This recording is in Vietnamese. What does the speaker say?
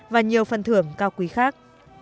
và nhiều phần thưởng cao quý khác